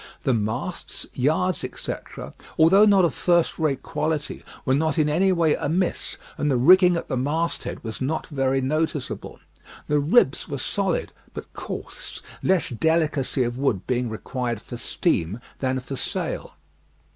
The masts, yards, etc., although not of first rate quality, were not in any way amiss, and the rigging at the mast head was not very noticeable. The ribs were solid, but coarse, less delicacy of wood being required for steam than for sail.